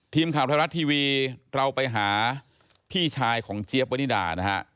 ทีมข่าวไทยรัฐทีวีเราไปหาพี่ชายของเจี๊ยบวนิดานะฮะ